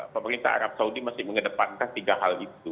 pemerintah arab saudi masih mengedepankan tiga hal itu